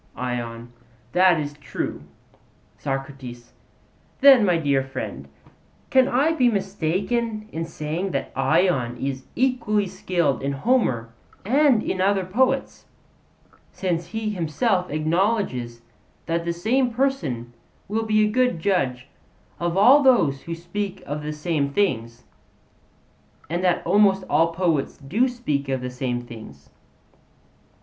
ION: That is true. SOCRATES: Then, my dear friend, can I be mistaken in saying that Ion is equally skilled in Homer and in other poets, since he himself acknowledges that the same person will be a good judge of all those who speak of the same things; and that almost all poets do speak of the same things?